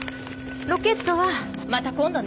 ロケットはまた今度ね